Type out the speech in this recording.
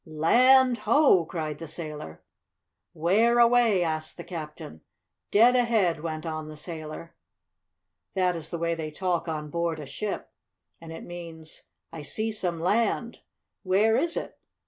"Land ho!" cried the sailor. "Where away?" asked the captain. "Dead ahead!" went on the sailor. That is the way they talk on board a ship and it means: "I see some land." "Where is it?"